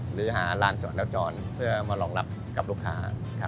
หรือหาลานจอดแล้วจอดเพื่อมารองรับกับลูกค้า